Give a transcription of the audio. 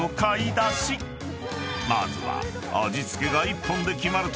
［まずは］